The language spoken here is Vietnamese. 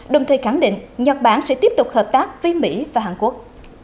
đồng thời khẳng định nhật bản sẽ tiếp tục hợp tác với mỹ và hàn quốc